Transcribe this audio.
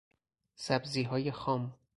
سبزیهای خام